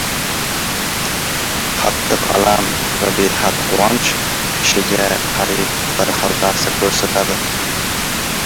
Qattiq alam va behad quvonch kishiga qariyb bir xil ta’sir ko‘rsatadi